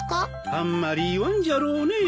あんまり言わんじゃろうねえ。